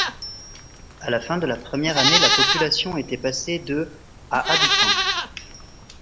À la fin de la première année, la population était passée de à habitants.